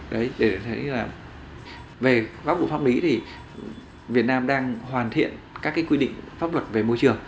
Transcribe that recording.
đấy để thấy là về góc độ pháp lý thì việt nam đang hoàn thiện các cái quy định pháp luật về môi trường